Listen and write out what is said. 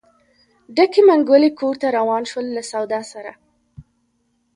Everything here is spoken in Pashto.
ډکې منګولې کور ته روان شول له سودا سره.